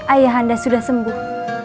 ayah anda sudah sembuh